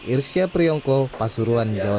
irsyah priyongko pasuruan jawa timur